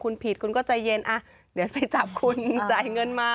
คุณผิดคุณก็ใจเย็นเดี๋ยวไปจับคุณจ่ายเงินมา